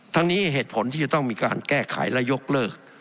ทั้งนี้เหตุผลที่จะต้องมีการแก้ไขและยกเลิก